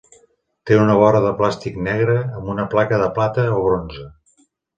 Té una vora de plàstic negre amb una placa de plata o bronze.